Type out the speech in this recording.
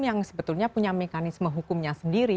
yang sebetulnya punya mekanisme hukumnya sendiri